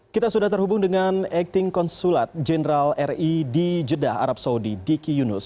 kita sudah terhubung dengan acting konsulat jenderal ri di jeddah arab saudi diki yunus